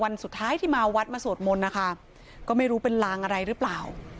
สุดท้ายที่มาวัดมาสวดมนต์นะคะก็ไม่รู้เป็นลางอะไรหรือเปล่า